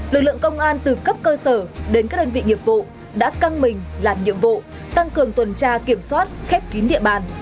lực lượng công an từ cấp cơ sở đến các đơn vị nghiệp vụ đã căng mình làm nhiệm vụ tăng cường tuần tra kiểm soát khép kín địa bàn